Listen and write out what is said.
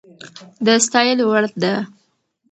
د ستايلو وړ ده